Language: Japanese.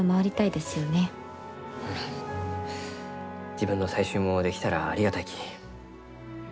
自分の採集もできたらありがたいき。